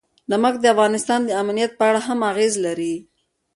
نمک د افغانستان د امنیت په اړه هم اغېز لري.